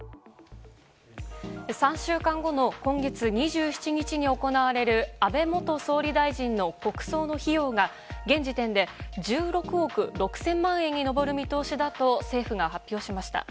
３週間後の今月２７日に行われる安倍元総理大臣の国葬の費用が現時点で１６億６０００万円に上る見通しだと政府は発表しました。